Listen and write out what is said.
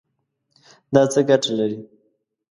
دا څه ګټه لري؟